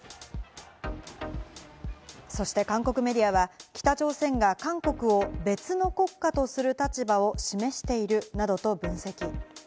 そして韓国メディアは、北朝鮮が韓国を別の国家とする立場を示しているなどと分析。